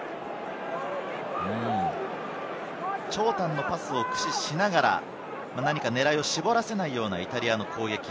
長短のパスを駆使しながら、何か、狙いを絞らせないようなイタリアの攻撃。